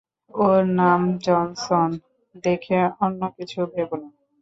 ওর নাম জনসন, দেখে অন্যকিছু ভেবো না!